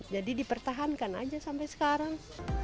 jadi dipertahankan aja sampai sekarang